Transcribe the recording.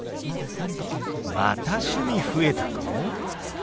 また趣味増えたの！？